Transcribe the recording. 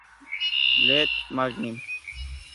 Leah Manning.